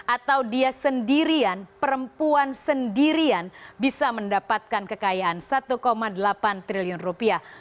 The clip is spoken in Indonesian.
atau dia sendirian perempuan sendirian bisa mendapatkan kekayaan satu delapan triliun rupiah